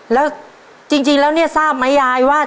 แล้วจริงแล้วเนี่ยทราบไหมยายว่า